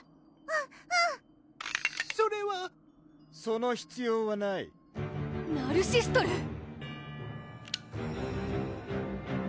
うんうんそれはその必要はないナルシストルー？